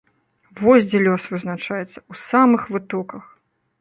Вось дзе лёс вызначаецца, у самых вытоках.